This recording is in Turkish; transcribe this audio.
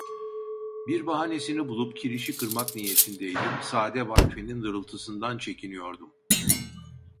Bir bahanesini bulup kirişi kırmak niyetindeydim, sade vakfenin dırıltısından çekiniyordum.